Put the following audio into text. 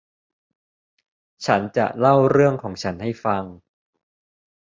ฉันจะเล่าเรื่องของฉันให้ฟัง